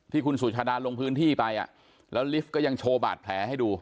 ที่คุณสุชาดาลงพื้นที่ไปแล้วลิฟต์ก็ยังโชว์บาดแผลให้ดู